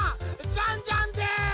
ジャンジャンです！